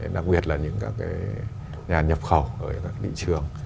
đặc biệt là những các cái nhà nhập khẩu ở các thị trường